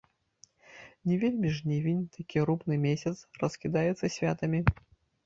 Не вельмі жнівень, такі рупны месяц, раскідаецца святамі.